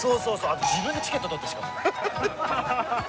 あと自分でチケット取ったしかも。